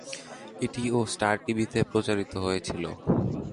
এটি ও স্টার টিভিতে প্রচারিত হয়েছিল।